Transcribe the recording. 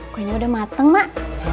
kuenya udah mateng mak